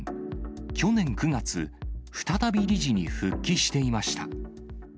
去年９月、再び理事に復帰していました。